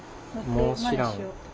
「もうしらん」。